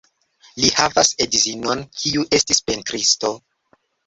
Li havas edzinon, kiu estis pentristo.